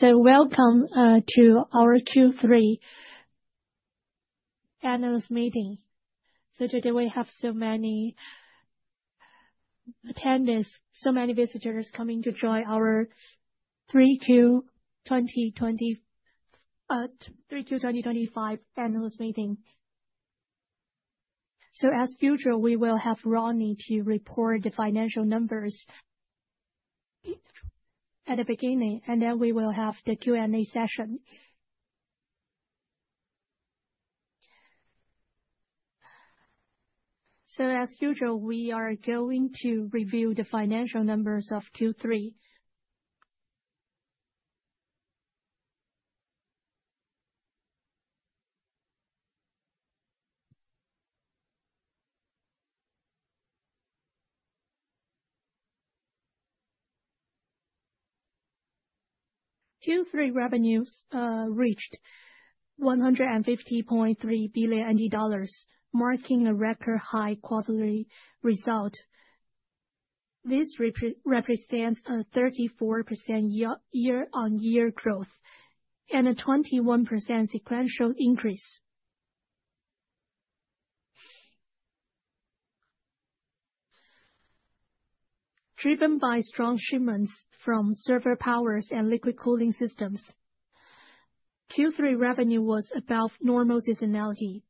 Welcome to our Q3 analyst meeting. Today we have so many attendees, so many visitors coming to join our 3Q 2025 analyst meeting. As usual, we will have Rodney to report the financial numbers at the beginning, and then we will have the Q&A session. As usual, we are going to review the financial numbers of Q3. Q3 revenues reached 150.3 billion dollars, marking a record high quarterly result. This represents a 34% year-on-year growth and a 21% sequential increase, driven by strong shipments from server powers and liquid cooling systems. Q3 revenue was above normal seasonality.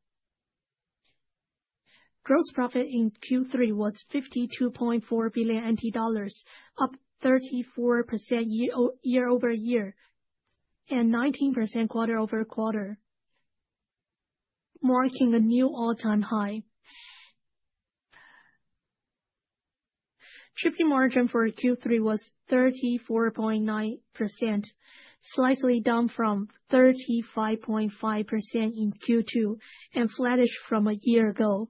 Gross profit in Q3 was 52.4 billion NT dollars, up 34% year-over-year and 19% quarter-over-quarter, marking a new all-time high. Gross margin for Q3 was 34.9%, slightly down from 35.5% in Q2 and flattish from a year ago.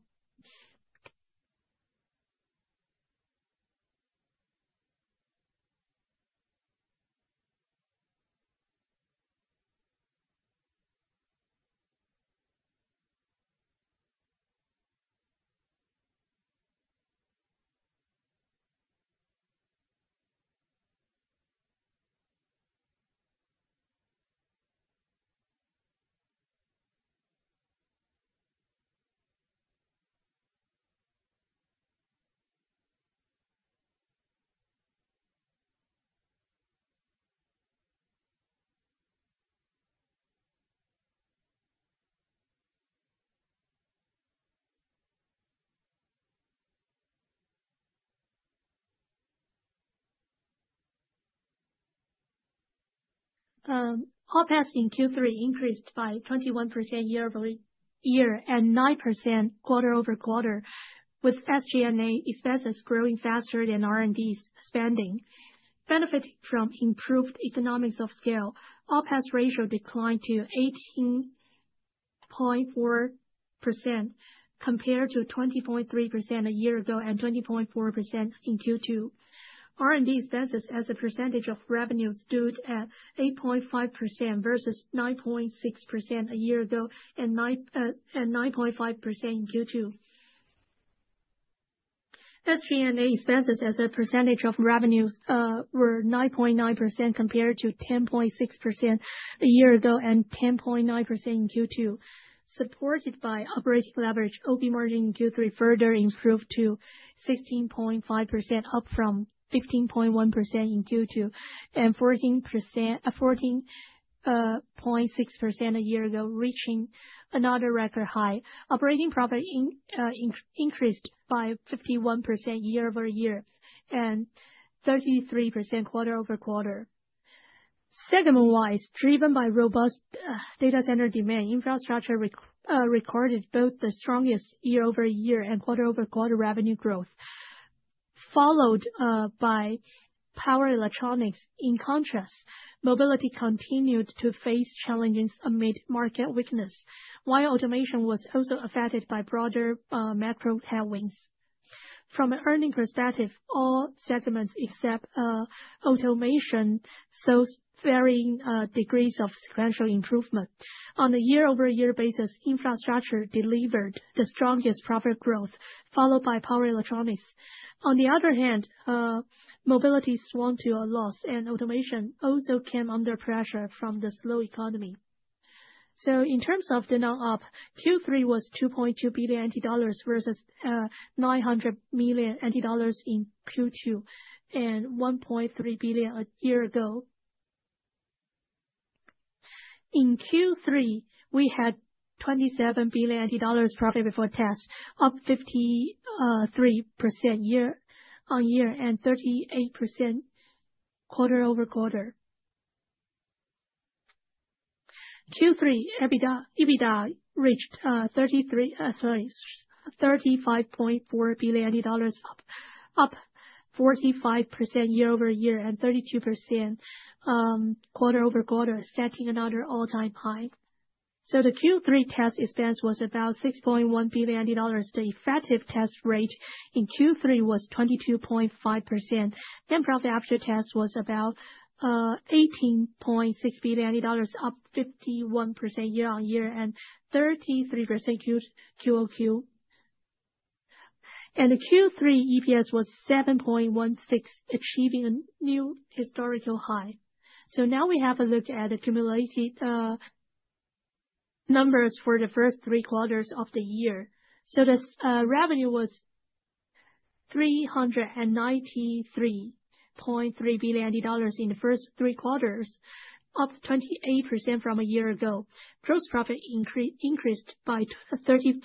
OpEx in Q3 increased by 21% year-over-year and 9% quarter-over-quarter, with SG&A expenses growing faster than R&D spending. Benefiting from improved economies of scale, OpEx ratio declined to 18.4% compared to 20.3% a year ago and 20.4% in Q2. R&D expenses as a percentage of revenues stood at 8.5% versus 9.6% a year ago and 9.5% in Q2. SG&A expenses as a percentage of revenues were 9.9% compared to 10.6% a year ago and 10.9% in Q2. Supported by operating leverage, OP margin in Q3 further improved to 16.5%, up from 15.1% in Q2 and 14.6% a year ago, reaching another record high. Operating profit increased by 51% year-over-year and 33% quarter-over-quarter. Segment-wise, driven by robust data center demand, Infrastructure recorded both the strongest year-over-year and quarter-over-quarter revenue growth, followed by Power Electronics. In contrast, Mobility continued to face challenges amid market weakness, while Automation was also affected by broader macro headwinds. From an earnings perspective, all segments except Automation saw varying degrees of sequential improvement. On a year-over-year basis, Infrastructure delivered the strongest profit growth, followed by Power Electronics. On the other hand, Mobility swung to a loss, and Automation also came under pressure from the slow economy. So in terms of the non-operating income, Q3 was 2.2 billion dollars versus 900 million dollars in Q2 and 1.3 billion a year ago. In Q3, we had 27 billion dollars profit before tax, up 53% year-on-year and 38% quarter-over-quarter. Q3 EBITDA reached 35.4 billion dollars, up 45% year-on-year and 32% quarter-over-quarter, setting another all-time high. So the Q3 tax expense was about 6.1 billion dollars. The effective tax rate in Q3 was 22.5%. Net profit after tax was about 18.6 billion dollars, up 51% year-on-year and 33% 2Q. The Q3 EPS was 7.16, achieving a new historical high. Now we have a look at the cumulative numbers for the first three quarters of the year. The revenue was 393.3 billion dollars in the first three quarters, up 28% from a year ago. Gross profit increased by 32%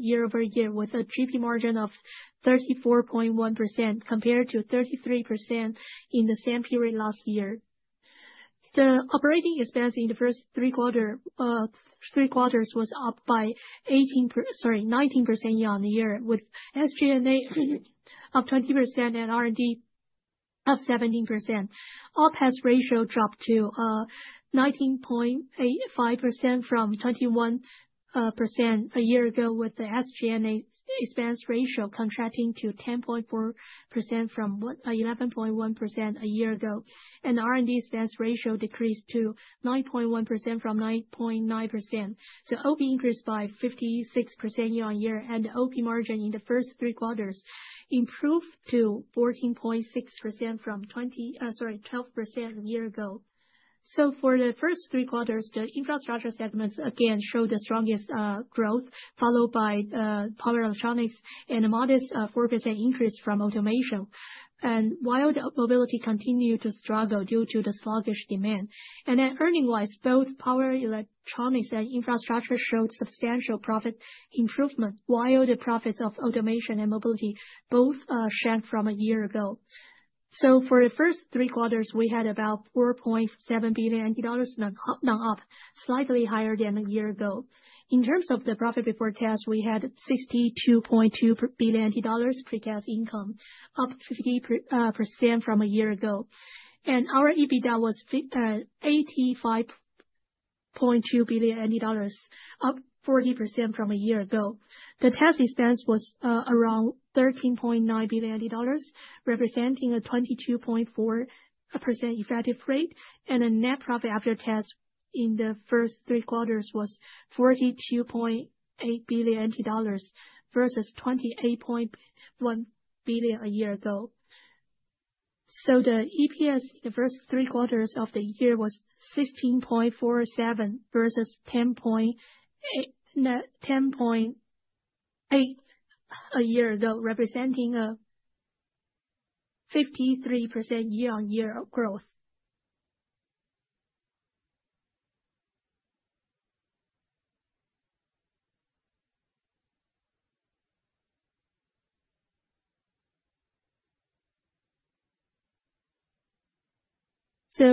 year-over-year, with a gross margin of 34.1% compared to 33% in the same period last year. The operating expense in the first three quarters was up by 19% year-on-year, with SG&A up 20% and R&D up 17%. OpEx ratio dropped to 19.85% from 21% a year ago, with the SG&A expense ratio contracting to 10.4% from 11.1% a year ago, and R&D expense ratio decreased to 9.1% from 9.9%. OP increased by 56% year-on-year, and the OP margin in the first three quarters improved to 14.6% from 12% a year ago. For the first three quarters, the Infrastructure segments again showed the strongest growth, followed by Power Electronics and a modest 4% increase from Automation. And while Mobility continued to struggle due to the sluggish demand. And then earnings-wise, both Power Electronics and Infrastructure showed substantial profit improvement, while the profits of Automation and Mobility both shrank from a year ago. For the first three quarters, we had about 4.7 billion dollars non-operating income, slightly higher than a year ago. In terms of the profit before tax, we had 62.2 billion dollars pre-tax income, up 50% from a year ago. And our EBITDA was 85.2 billion dollars, up 40% from a year ago. The tax expense was around 13.9 billion dollars, representing a 22.4% effective rate, and the net profit after tax in the first three quarters was 42.8 billion dollars versus 28.1 billion a year ago. The EPS in the first three quarters of the year was $16.47 versus $10.8 a year ago, representing a 53% year-on-year growth.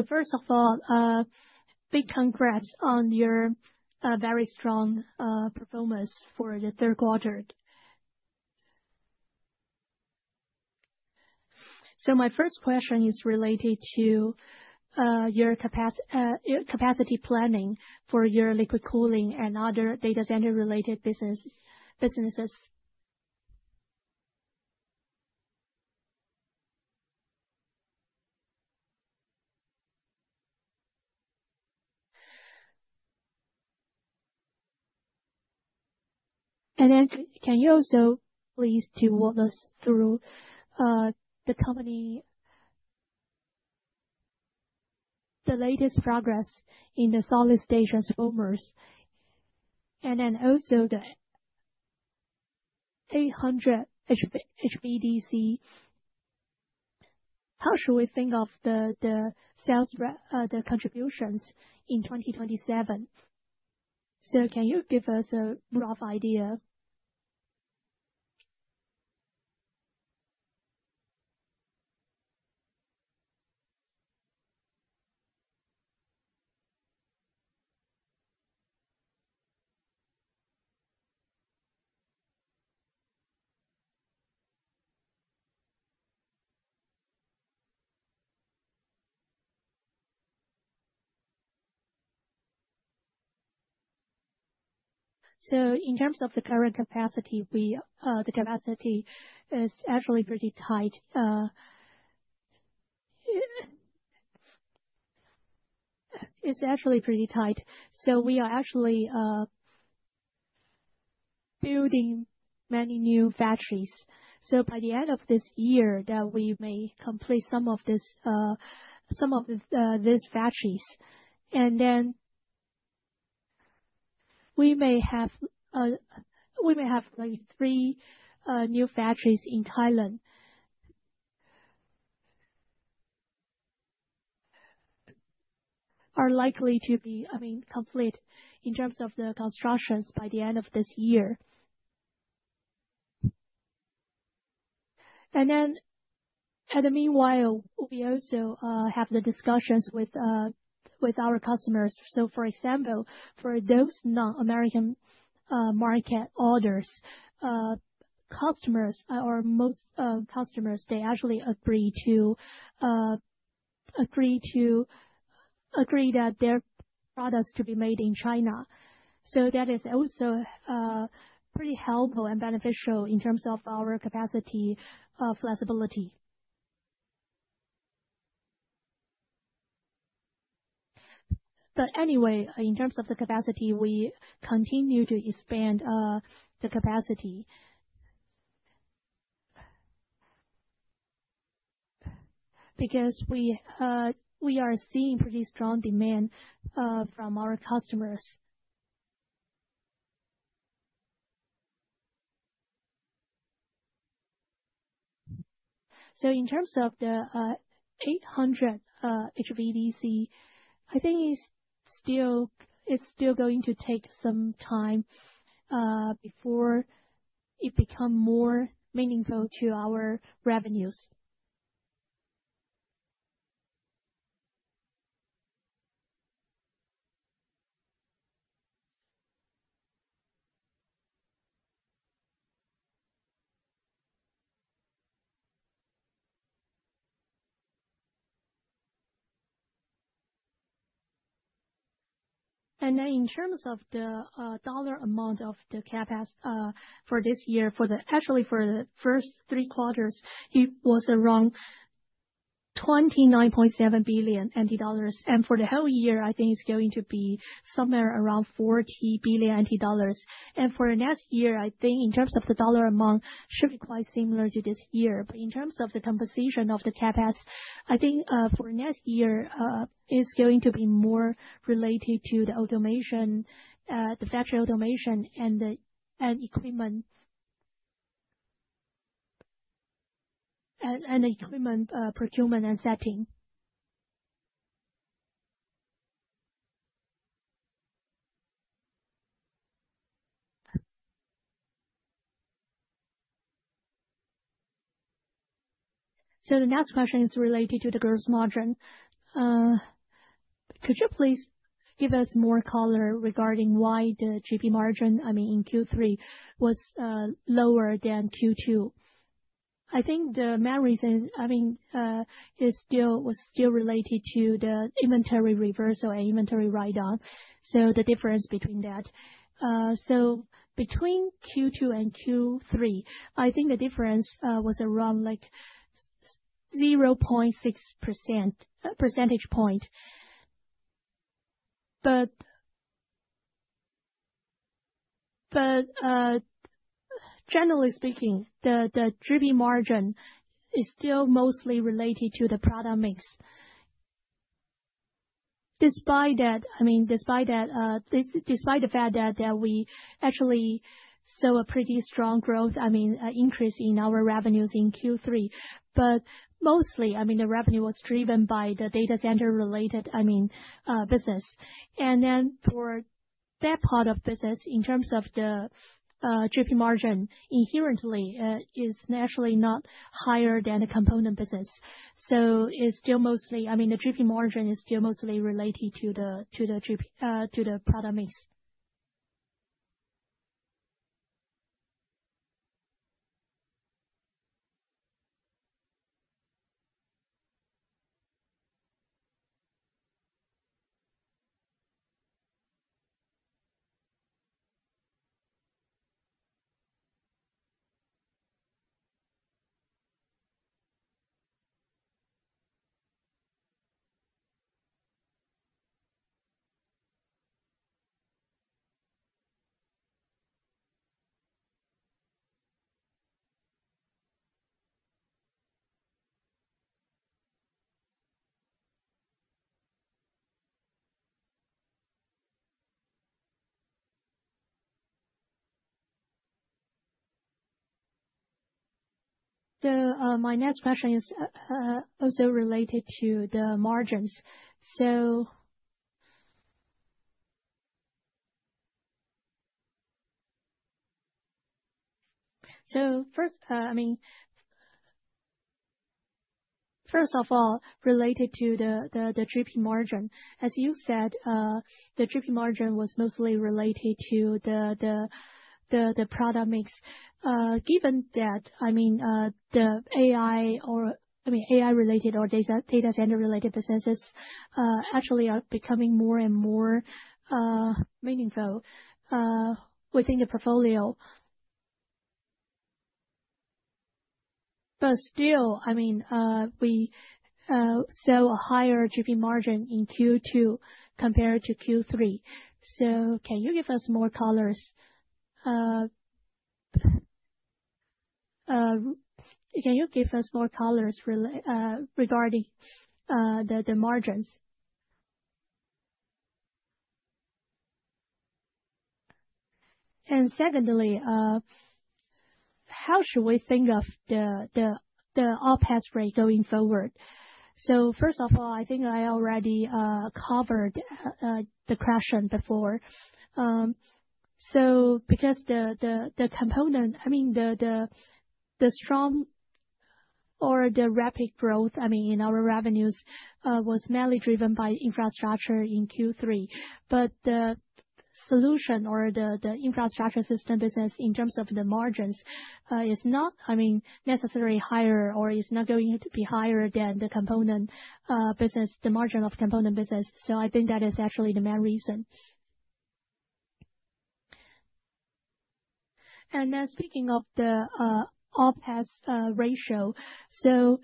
First of all, big congrats on your very strong performance for the third quarter. My first question is related to your capacity planning for your liquid cooling and other data center-related businesses. And then can you also please walk us through the company's latest progress in the solid-state transformers and then also the 800V HVDC? How should we think of the sales contributions in 2027? Can you give us a rough idea? In terms of the current capacity, the capacity is actually pretty tight. It's actually pretty tight. We are actually building many new factories. By the end of this year, we may complete some of these factories. And then we may have like three new factories in Thailand are likely to be, I mean, complete in terms of the constructions by the end of this year. And then in the meanwhile, we also have the discussions with our customers. So for example, for those non-American market orders, customers, our most customers, they actually agree that their products to be made in China. So that is also pretty helpful and beneficial in terms of our capacity flexibility. But anyway, in terms of the capacity, we continue to expand the capacity because we are seeing pretty strong demand from our customers. So in terms of the 800V HVDC, I think it's still going to take some time before it becomes more meaningful to our revenues. And then in terms of the dollar amount of the CapEx for this year, actually for the first three quarters, it was around $29.7 billion. For the whole year, I think it's going to be somewhere around $40 billion. For the next year, I think in terms of the dollar amount, it should be quite similar to this year. But in terms of the composition of the CapEx, I think for the next year, it's going to be more related to the Automation, the factory Automation, and equipment procurement and setting. The next question is related to the gross margin. Could you please give us more color regarding why the GP margin, I mean, in Q3 was lower than Q2? I think the main reason, I mean, was still related to the inventory reversal and inventory write-down. The difference between that. So between Q2 and Q3, I think the difference was around like 0.6 percentage point. But generally speaking, the GP margin is still mostly related to the product mix. Despite that, I mean, despite the fact that we actually saw a pretty strong growth, I mean, increase in our revenues in Q3. But mostly, I mean, the revenue was driven by the data center-related, I mean, business. And then for that part of business, in terms of the GP margin, inherently, it's actually not higher than the component business. So it's still mostly, I mean, the GP margin is still mostly related to the product mix. So my next question is also related to the margins. So first, I mean, first of all, related to the GP margin, as you said, the GP margin was mostly related to the product mix. Given that, I mean, the AI-related or data center-related businesses actually are becoming more and more meaningful within the portfolio. But still, I mean, we saw a higher GP margin in Q2 compared to Q3. So can you give us more colors? Can you give us more colors regarding the margins? And secondly, how should we think of the OpEx rate going forward? So first of all, I think I already covered the question before. So because the component, I mean, the strong or the rapid growth, I mean, in our revenues was mainly driven by Infrastructure in Q3. But the solution or the Infrastructure system business in terms of the margins is not, I mean, necessarily higher or is not going to be higher than the component business, the margin of component business. So I think that is actually the main reason. And then speaking of the OpEx ratio, so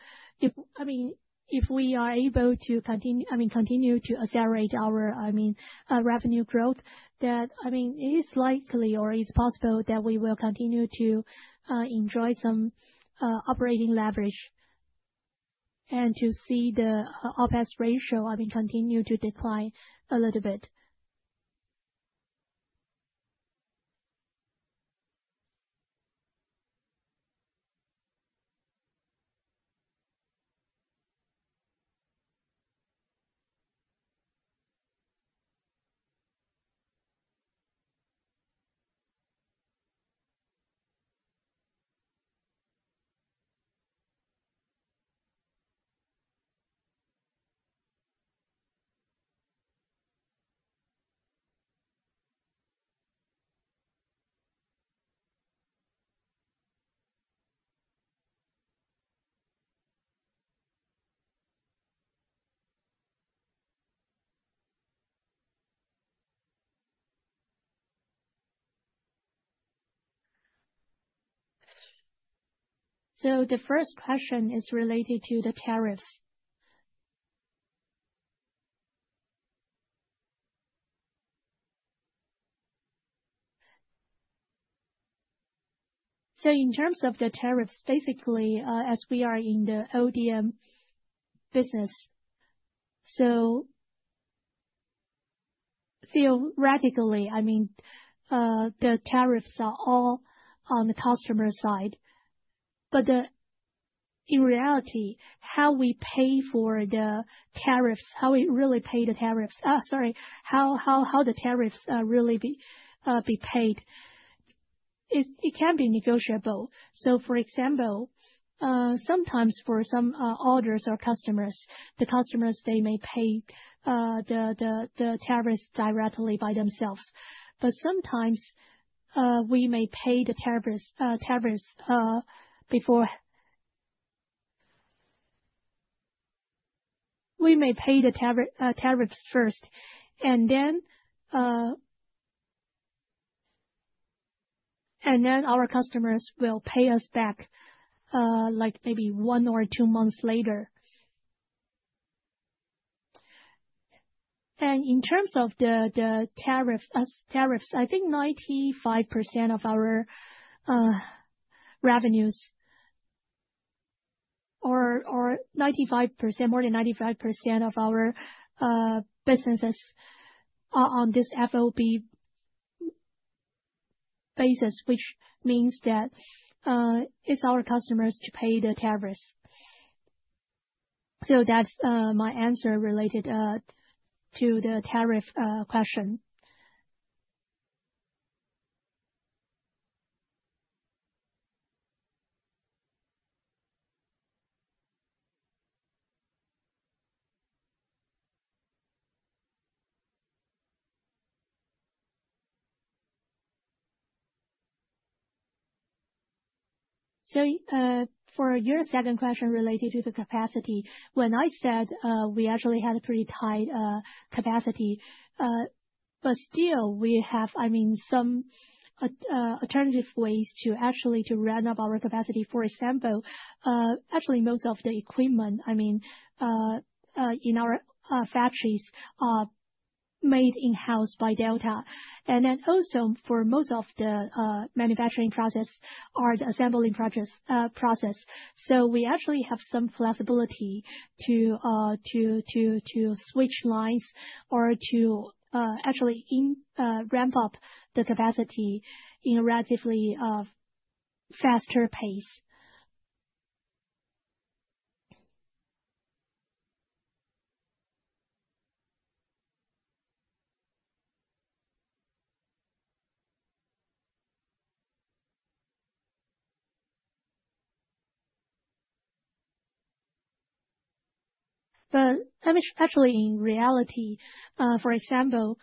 I mean, if we are able to continue, I mean, continue to accelerate our, I mean, revenue growth, that, I mean, it is likely or it's possible that we will continue to enjoy some operating leverage and to see the OpEx ratio, I mean, continue to decline a little bit. So the first question is related to the tariffs. So in terms of the tariffs, basically, as we are in the ODM business, so theoretically, I mean, the tariffs are all on the customer side. But in reality, how we pay for the tariffs, how we really pay the tariffs, sorry, how the tariffs really be paid, it can be negotiable. So for example, sometimes for some orders or customers, the customers, they may pay the tariffs directly by themselves. But sometimes we may pay the tariffs first. And then our customers will pay us back like maybe one or two months later. And in terms of the tariffs, I think 95% of our revenues or more than 95% of our businesses are on this FOB basis, which means that it's our customers to pay the tariffs. So that's my answer related to the tariff question. So for your second question related to the capacity, when I said we actually had a pretty tight capacity, but still we have, I mean, some alternative ways to actually run up our capacity. For example, actually most of the equipment, I mean, in our factories are made in-house by Delta. And then also for most of the manufacturing process are the assembling process. So we actually have some flexibility to switch lines or to actually ramp up the capacity in a relatively faster pace. But actually, in reality, for example,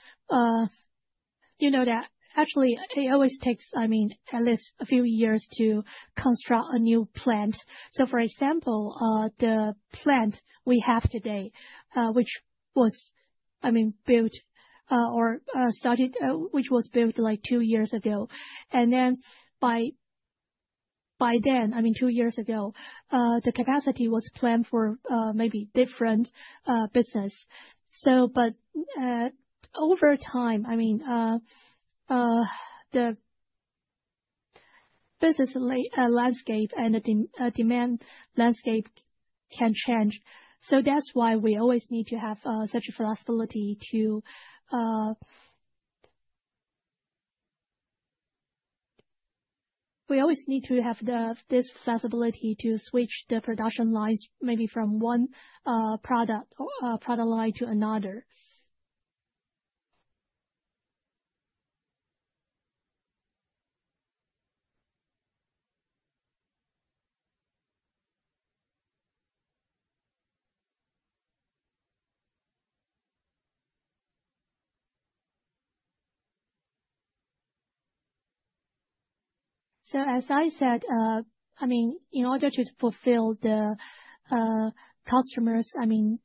you know that actually it always takes, I mean, at least a few years to construct a new plant. So for example, the plant we have today, which was, I mean, built like two years ago. And then by then, I mean, two years ago, the capacity was planned for maybe different business. But over time, I mean, the business landscape and the demand landscape can change. So that's why we always need to have such flexibility to switch the production lines maybe from one product line to another. So as I said, I mean, in order to fulfill the customer's, I mean,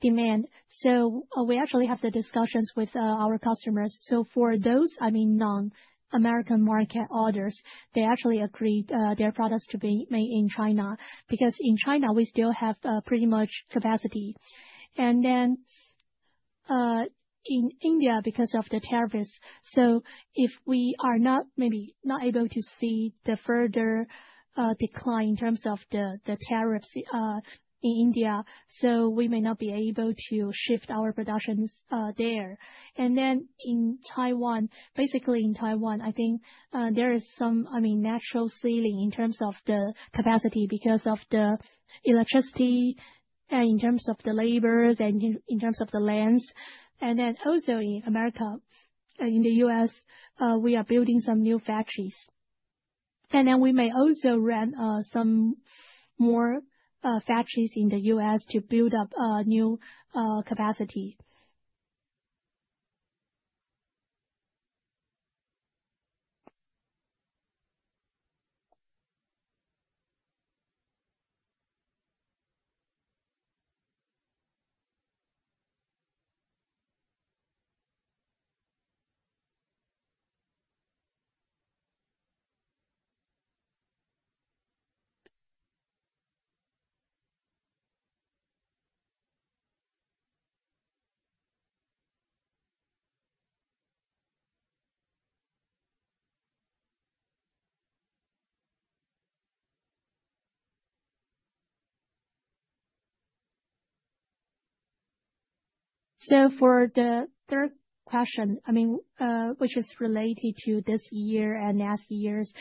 demand, so we actually have the discussions with our customers. So for those, I mean, non-American market orders, they actually agreed their products to be made in China because in China, we still have pretty much capacity. And then in India, because of the tariffs, so if we are not maybe not able to see the further decline in terms of the tariffs in India, so we may not be able to shift our productions there. And then in Taiwan, basically in Taiwan, I think there is some, I mean, natural ceiling in terms of the capacity because of the electricity and in terms of the laborers and in terms of the lands. And then also in America, in the U.S., we are building some new factories. We may also run some more factories in the U.S. to build up new capacity. For the third question, I mean, which is related to this year and last year's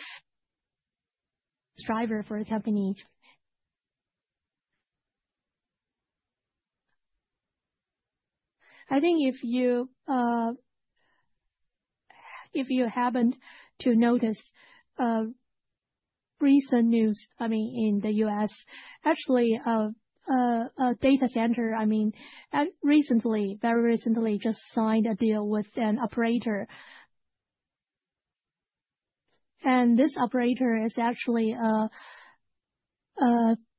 driver for the company, I think if you happen to notice recent news, I mean, in the U.S., actually a data center, I mean, recently, very recently, just signed a deal with an operator. This operator is actually a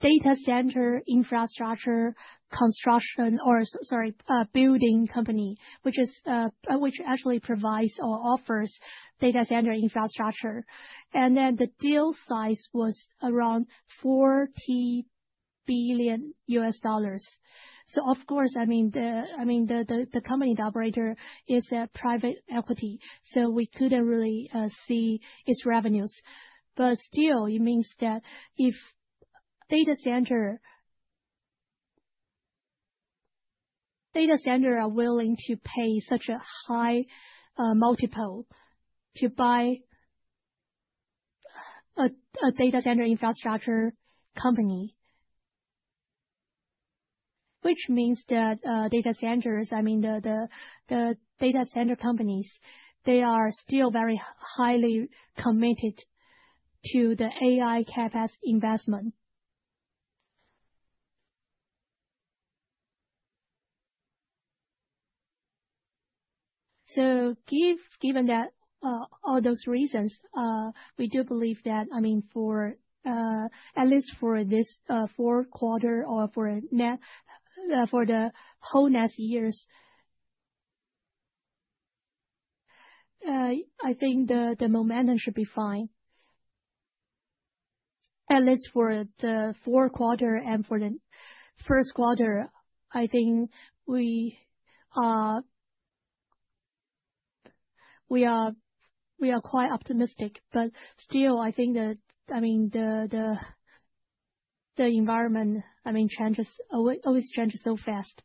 data center infrastructure construction or, sorry, building company, which actually provides or offers data center infrastructure. The deal size was around $40 billion. Of course, I mean, the company operator is a private equity. We couldn't really see its revenues. But still, it means that if data center are willing to pay such a high multiple to buy a data center infrastructure company, which means that data centers, I mean, the data center companies, they are still very highly committed to the AI CapEx investment. So given that all those reasons, we do believe that, I mean, at least for this fourth quarter or for the whole next years, I think the momentum should be fine. At least for the fourth quarter and for the first quarter, I think we are quite optimistic. But still, I think that, I mean, the environment, I mean, always changes so fast.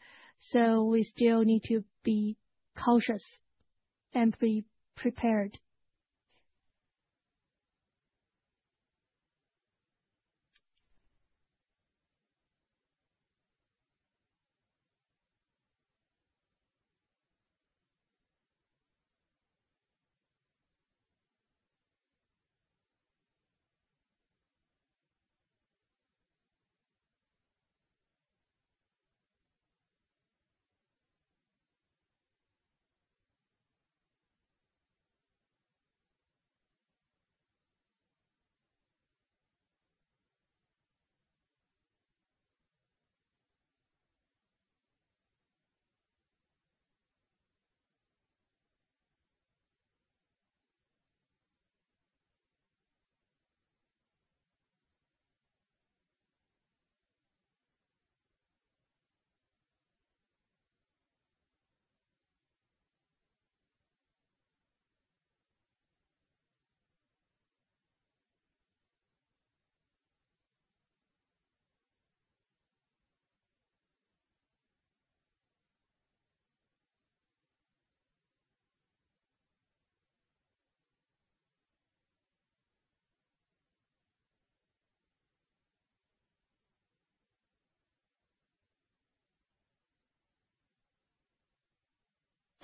So we still need to be cautious and be prepared.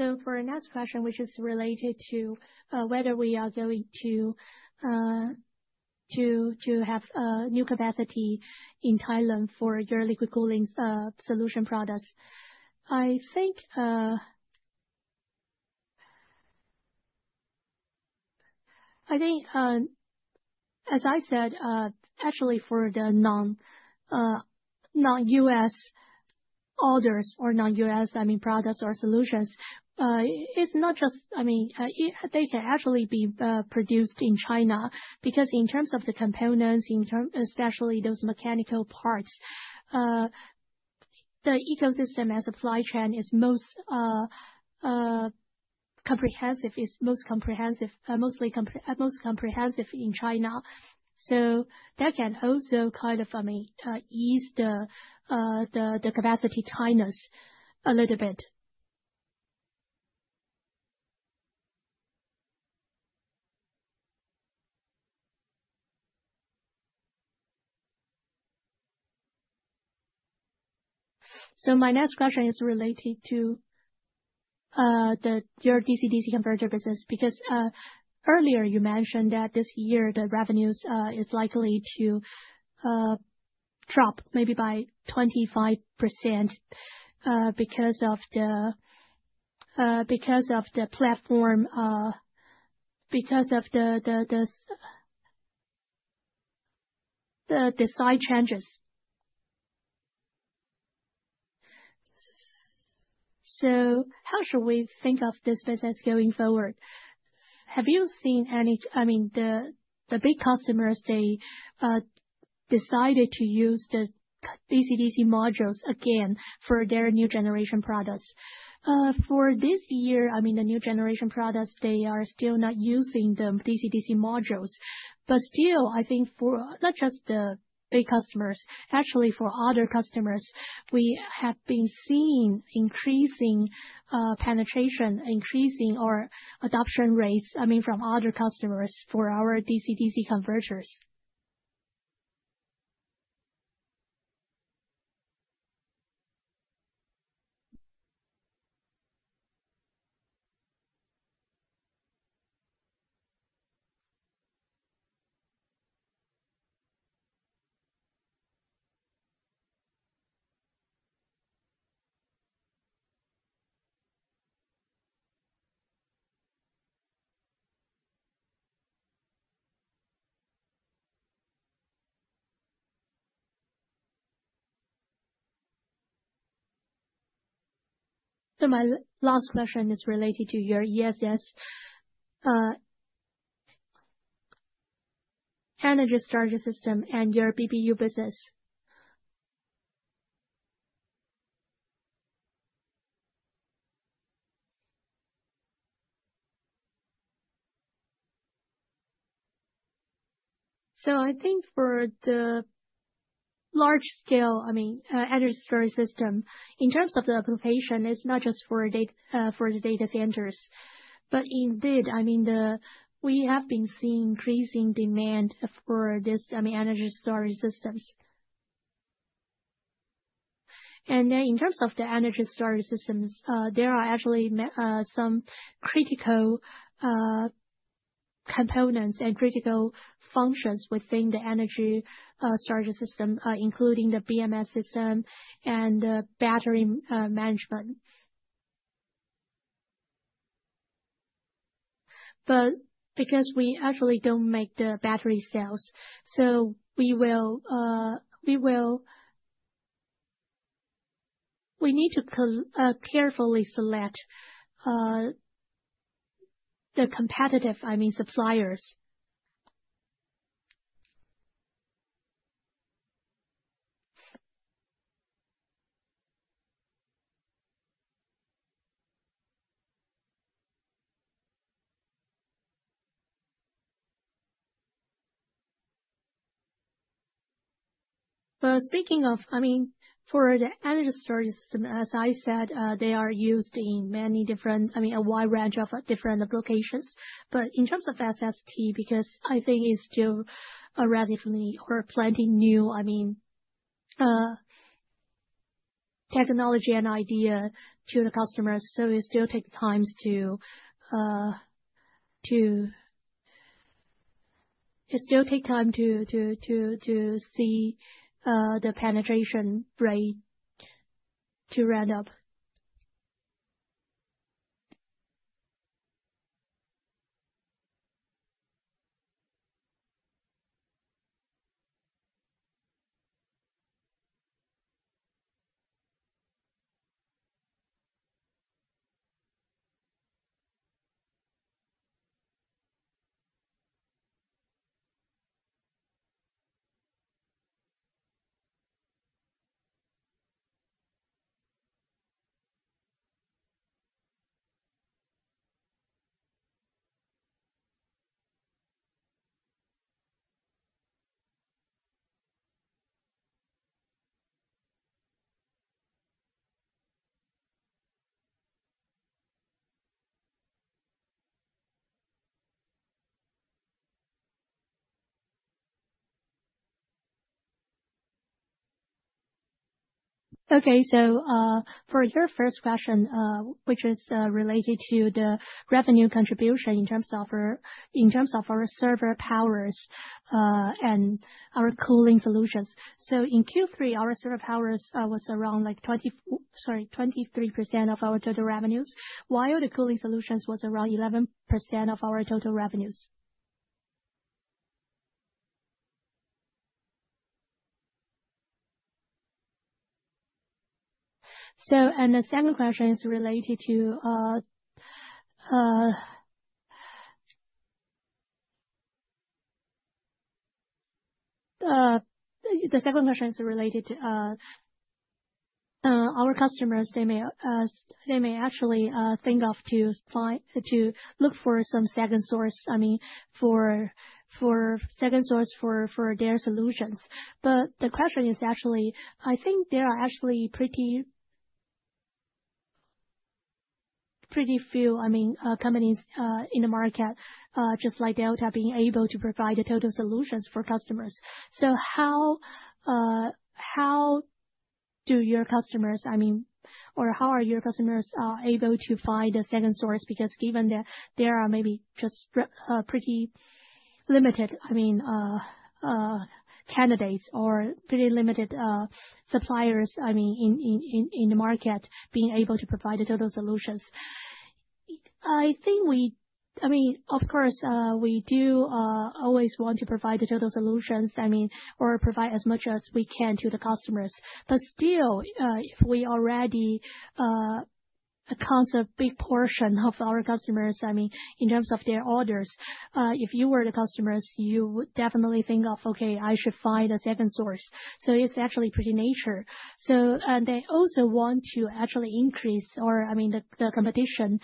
So for our next question, which is related to whether we are going to have new capacity in Thailand for your liquid cooling solution products, I think, as I said, actually for the non-U.S. orders or non-U.S., I mean, products or solutions, it's not just, I mean, they can actually be produced in China because in terms of the components, especially those mechanical parts, the ecosystem as a supply chain is most comprehensive in China. So that can also kind of, I mean, ease the capacity tightness a little bit. So my next question is related to your DC/DC converter business because earlier you mentioned that this year the revenues is likely to drop maybe by 25% because of the platform, because of the site changes. So how should we think of this business going forward? Have you seen any? I mean, the big customers, they decided to use the DC/DC modules again for their new generation products. For this year, I mean, the new generation products, they are still not using the DC/DC modules. But still, I think for not just the big customers, actually for other customers, we have been seeing increasing penetration, increasing our adoption rates, I mean, from other customers for our DC/DC converters. So my last question is related to your ESS, Energy Storage System, and your BBU business. So I think for the large-scale, I mean, Energy Storage System, in terms of the application, it's not just for the data centers. But indeed, I mean, we have been seeing increasing demand for this, I mean, Energy Storage Systems. Then in terms of the Energy Storage Systems, there are actually some critical components and critical functions within the Energy Storage System, including the BMS system and the battery management. But because we actually don't make the battery cells, so we will need to carefully select the competitive, I mean, suppliers. But speaking of, I mean, for the Energy Storage System, as I said, they are used in many different, I mean, a wide range of different applications. But in terms of SST, because I think it's still a relatively or plenty new, I mean, technology and idea to the customers, so it still takes time to see the penetration rate to ramp up. Okay. So for your first question, which is related to the revenue contribution in terms of our server powers and our cooling solutions. So in Q3, our server powers was around, sorry, 23% of our total revenues, while the cooling solutions was around 11% of our total revenues. So and the second question is related to our customers, they may actually think of to look for some second source, I mean, for second source for their solutions. But the question is actually, I think there are actually pretty few, I mean, companies in the market, just like Delta, being able to provide the total solutions for customers. So how do your customers, I mean, or how are your customers able to find a second source? Because given that there are maybe just pretty limited, I mean, candidates or pretty limited suppliers, I mean, in the market being able to provide the total solutions. I think we, I mean, of course, we do always want to provide the total solutions, I mean, or provide as much as we can to the customers. But still, if we already account for a big portion of our customers, I mean, in terms of their orders, if you were the customers, you would definitely think of, "Okay, I should find a second source." So it's actually pretty natural. And they also want to actually increase, or I mean, the competition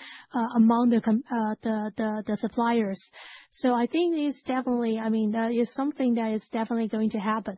among the suppliers. So I think it's definitely, I mean, it's something that is definitely going to happen.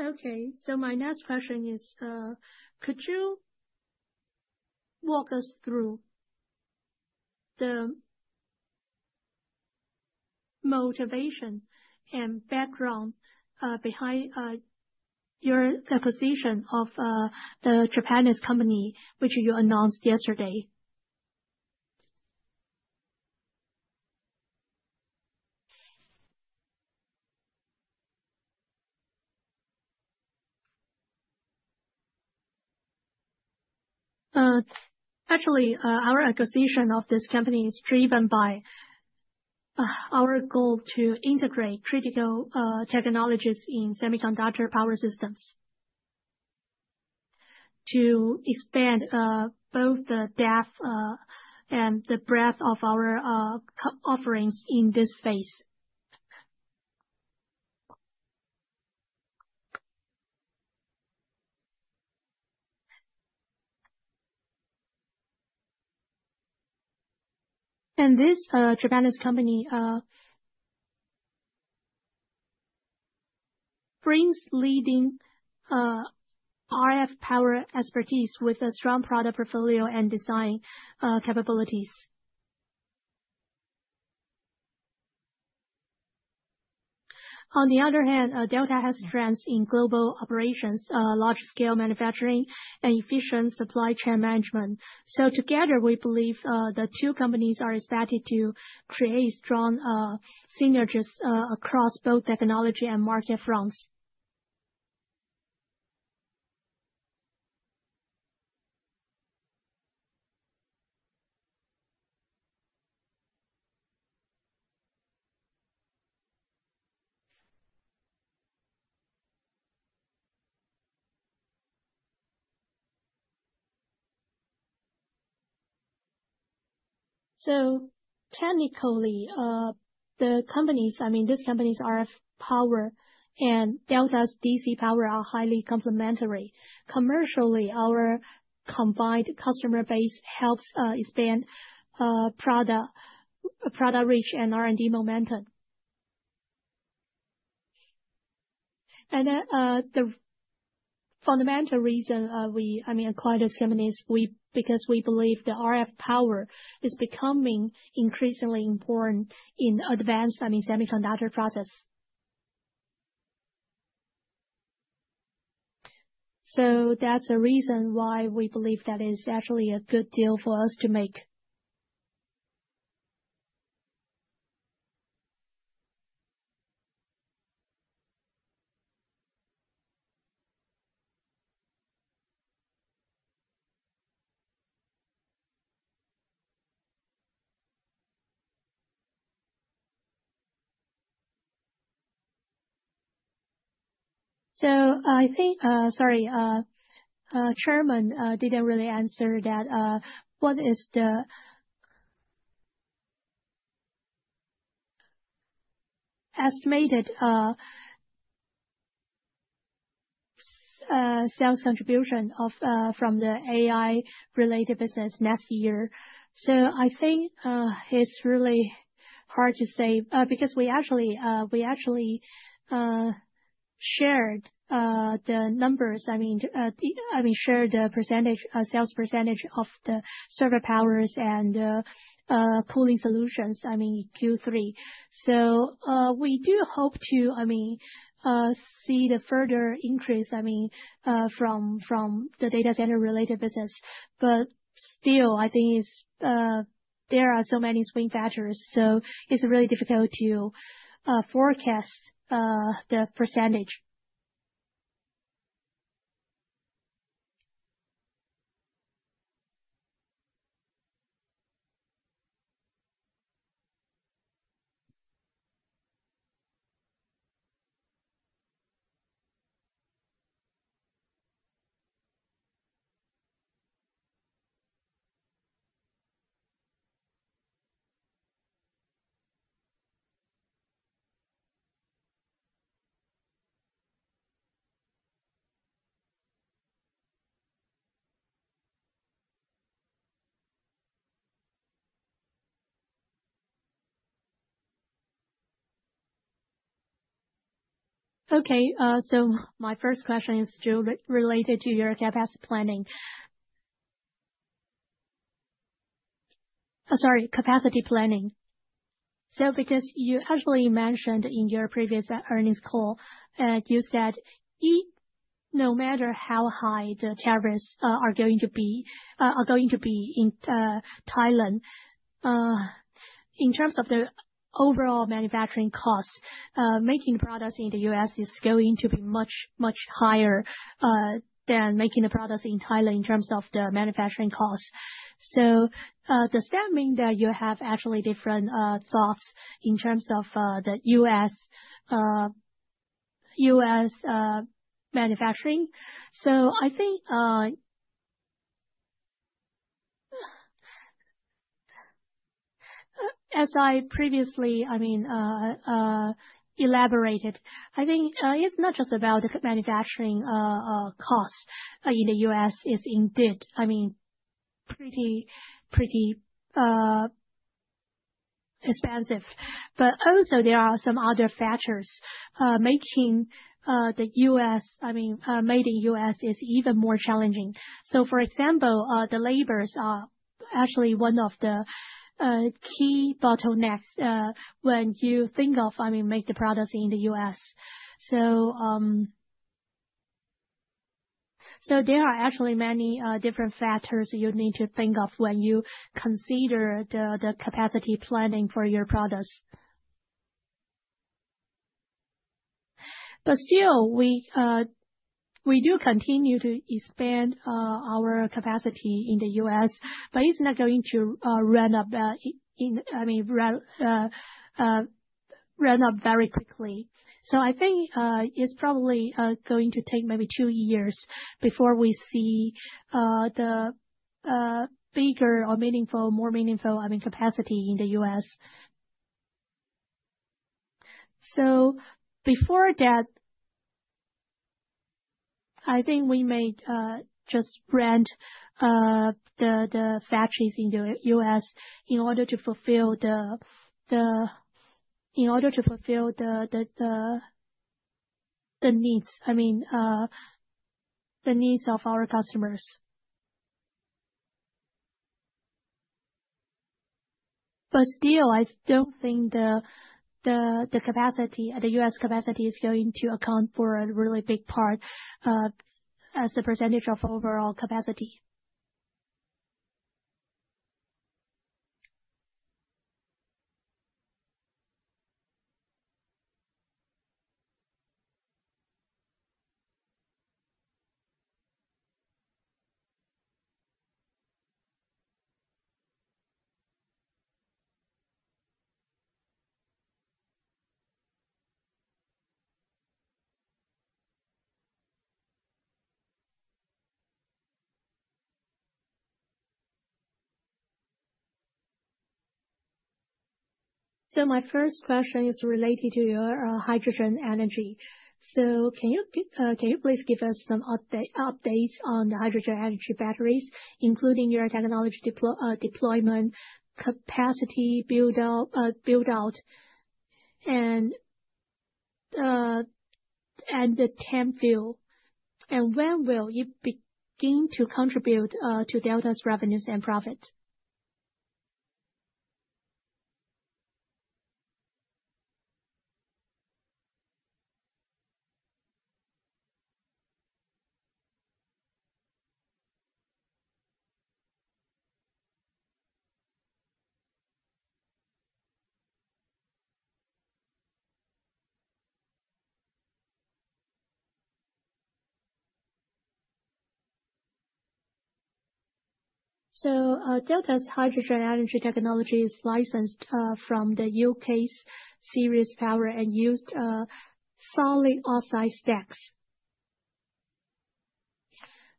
Okay. So my next question is, could you walk us through the motivation and background behind your acquisition of the Japanese company, which you announced yesterday? Actually, our acquisition of this company is driven by our goal to integrate critical technologies in semiconductor power systems to expand both the depth and the breadth of our offerings in this space, and this Japanese company brings leading RF power expertise with a strong product portfolio and design capabilities. On the other hand, Delta has strengths in global operations, large-scale manufacturing, and efficient supply chain management, so together, we believe the two companies are expected to create strong synergies across both technology and market fronts, so technically, the companies, I mean, these companies, RF power and Delta's DC power are highly complementary. Commercially, our combined customer base helps expand product reach and R&D momentum, and the fundamental reason we, I mean, acquired this company is because we believe the RF power is becoming increasingly important in advanced, I mean, semiconductor process. So that's the reason why we believe that it's actually a good deal for us to make. So I think, sorry, Chairman didn't really answer that. What is the estimated sales contribution from the AI-related business next year? So I think it's really hard to say because we actually shared the numbers, I mean, shared the percentage, sales percentage of the server powers and cooling solutions, I mean, Q3. So we do hope to, I mean, see the further increase, I mean, from the data center-related business. But still, I think there are so many swing factors, so it's really difficult to forecast the percentage. Okay. So my first question is still related to your capacity planning. Sorry, capacity planning. So, because you actually mentioned in your previous earnings call, you said no matter how high the tariffs are going to be in Thailand, in terms of the overall manufacturing costs, making the products in the U.S. is going to be much, much higher than making the products in Thailand in terms of the manufacturing costs. So, does that mean that you have actually different thoughts in terms of the U.S. manufacturing? So, I think, as I previously, I mean, elaborated, I think it's not just about the manufacturing costs in the U.S. is indeed, I mean, pretty expensive. But also, there are some other factors making the U.S., I mean, made in U.S. is even more challenging. So, for example, the labor is actually one of the key bottlenecks when you think of, I mean, make the products in the U.S. There are actually many different factors you need to think of when you consider the capacity planning for your products. But still, we do continue to expand our capacity in the U.S., but it's not going to run up, I mean, run up very quickly. So I think it's probably going to take maybe two years before we see the bigger or more meaningful, I mean, capacity in the U.S. So before that, I think we may just rent the factories in the U.S. in order to fulfill the needs, I mean, the needs of our customers. But still, I don't think the capacity, the U.S. capacity is going to account for a really big part as a percentage of overall capacity. So my first question is related to your hydrogen energy. Can you please give us some updates on the hydrogen energy batteries, including your technology deployment, capacity build-out, and the timeframe? When will it begin to contribute to Delta's revenues and profit? Delta's hydrogen energy technology is licensed from the U.K.'s Ceres Power and used solid oxide stacks.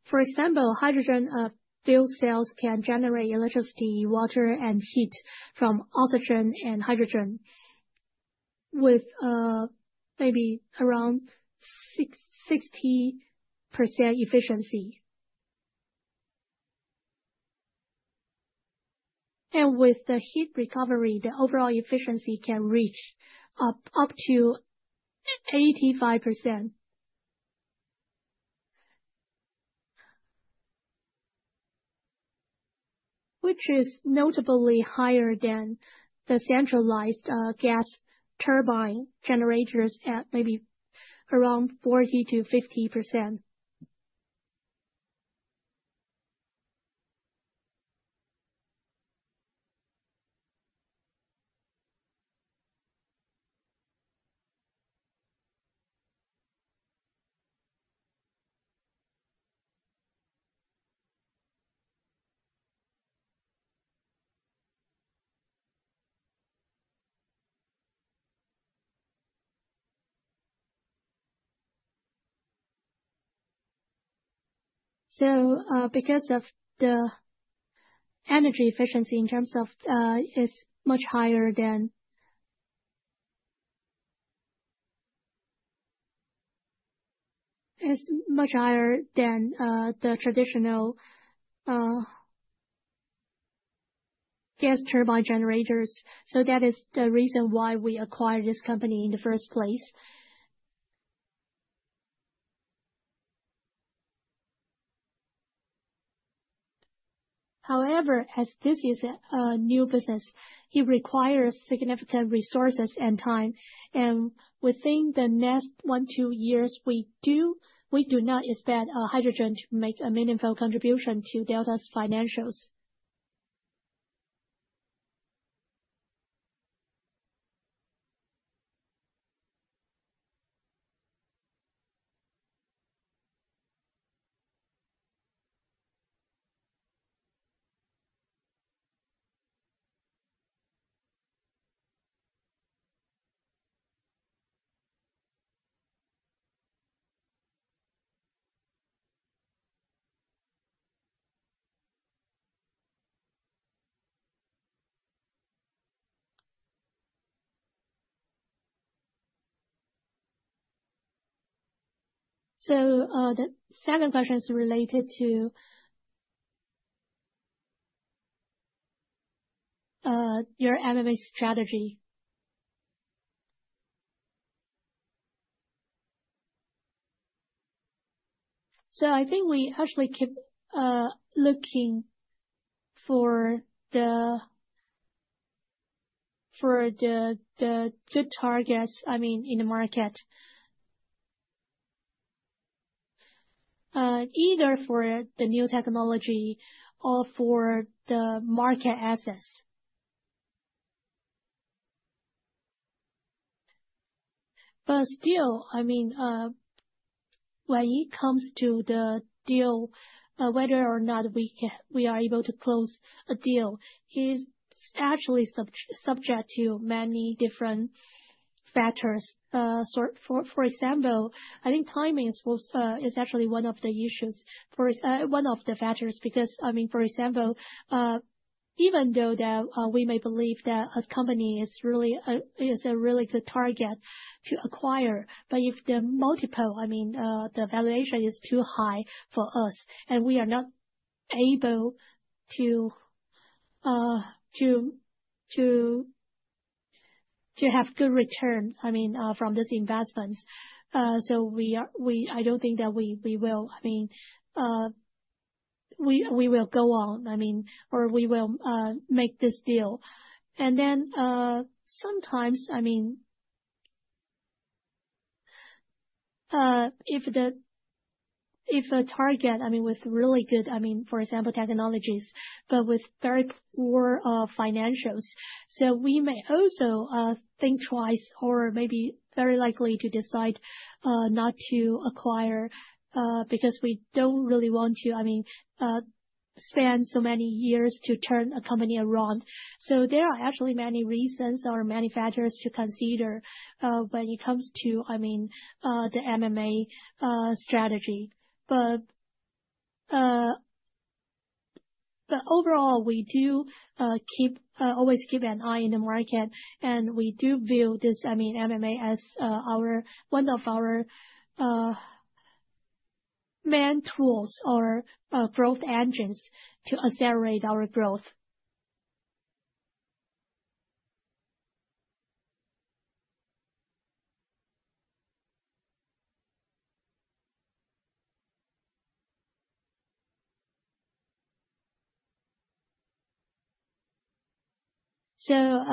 For example, hydrogen fuel cells can generate electricity, water, and heat from oxygen and hydrogen with maybe around 60% efficiency. With the heat recovery, the overall efficiency can reach up to 85%, which is notably higher than the centralized gas turbine generators at maybe around 40%-50%. Because of the energy efficiency in terms of is much higher than the traditional gas turbine generators. That is the reason why we acquired this company in the first place. However, as this is a new business, it requires significant resources and time, and within the next one, two years, we do not expect hydrogen to make a meaningful contribution to Delta's financials, so the second question is related to your M&A strategy. I think we actually keep looking for the good targets, I mean, in the market, either for the new technology or for the market assets, but still, I mean, when it comes to the deal, whether or not we are able to close a deal, it's actually subject to many different factors. For example, I think timing is actually one of the issues, one of the factors because, I mean, for example, even though we may believe that a company is a really good target to acquire, but if the multiple, I mean, the valuation is too high for us, and we are not able to have good return, I mean, from this investment, so I don't think that we will, I mean, we will go on, I mean, or we will make this deal, and then sometimes, I mean, if a target, I mean, with really good, I mean, for example, technologies, but with very poor financials, so we may also think twice or maybe very likely to decide not to acquire because we don't really want to, I mean, spend so many years to turn a company around. There are actually many reasons or many factors to consider when it comes to, I mean, the M&A strategy. Overall, we do always keep an eye in the market, and we do view this, I mean, M&A as one of our main tools or growth engines to accelerate our growth.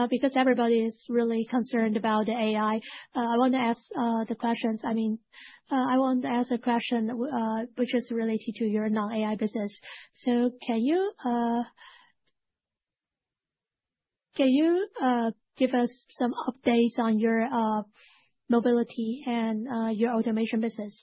Because everybody is really concerned about the AI, I want to ask the questions. I mean, I want to ask a question which is related to your non-AI business. Can you give us some updates on your Mobility and your Automation business?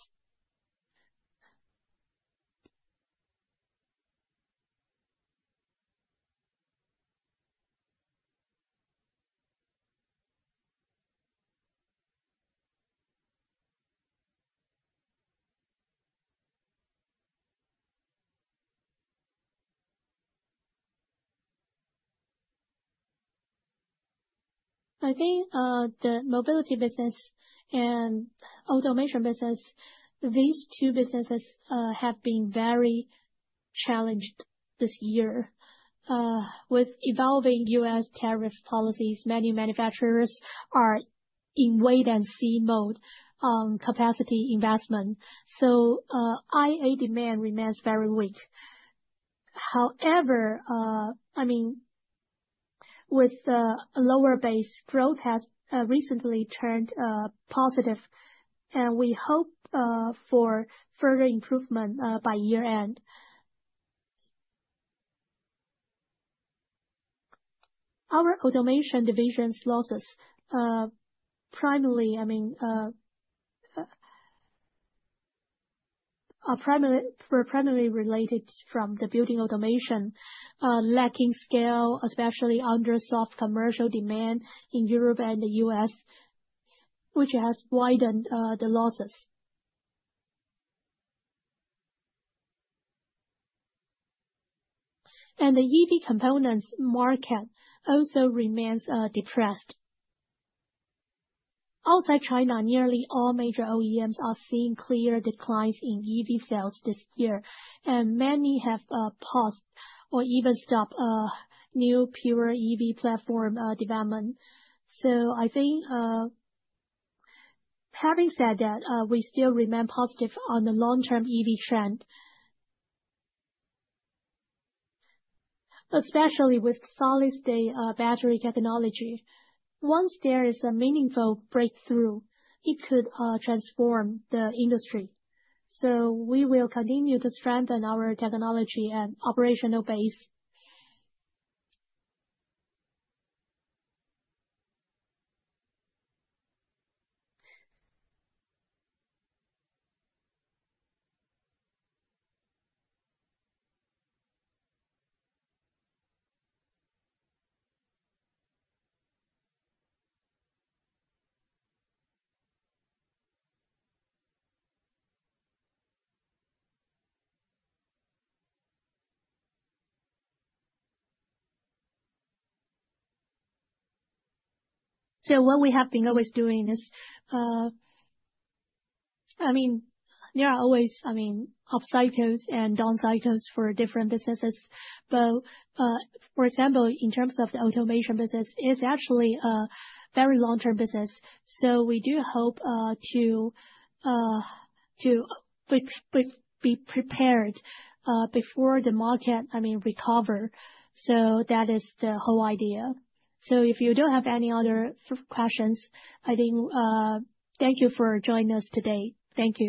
I think the Mobility business and Automation business, these two businesses have been very challenged this year with evolving U.S. tariff policies. Many manufacturers are in wait-and-see mode on capacity investment. So IA demand remains very weak. However, I mean, with a lower base, growth has recently turned positive, and we hope for further improvement by year-end. Our Automation division's losses primarily, I mean, are primarily related from the building Automation, lacking scale, especially under soft commercial demand in Europe and the U.S., which has widened the losses. And the EV components market also remains depressed. Outside China, nearly all major OEMs are seeing clear declines in EV sales this year, and many have paused or even stopped new pure EV platform development. So I think having said that, we still remain positive on the long-term EV trend, especially with solid-state battery technology. Once there is a meaningful breakthrough, it could transform the industry. So we will continue to strengthen our technology and operational base. So what we have been always doing is, I mean, there are always, I mean, up cycles and down cycles for different businesses. But for example, in terms of the Automation business, it's actually a very long-term business. So we do hope to be prepared before the market, I mean, recover. So that is the whole idea. So if you don't have any other questions, I think thank you for joining us today. Thank you.